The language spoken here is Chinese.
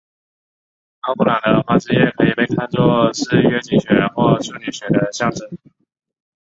奥布朗的花汁液可以被看做是月经血或处女血的象征。